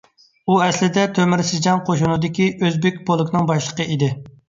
ئۇ ئەسلىدە تۆمۈر سىجاڭ قوشۇنىدىكى ئۆزبېك پولكىنىڭ باشلىقى ئىدى.